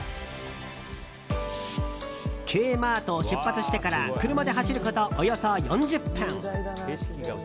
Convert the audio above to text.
Ｋマートを出発してから車で走ることおよそ４０分。